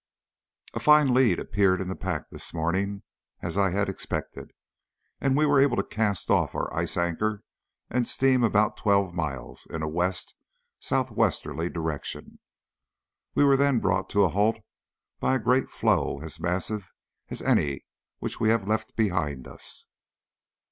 A fine lead appeared in the pack this morning, as I had expected, and we were able to cast off our ice anchor, and steam about twelve miles in a west sou' westerly direction. We were then brought to a halt by a great floe as massive as any which we have left behind us.